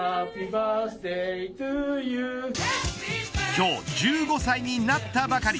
今日１５歳になったばかり。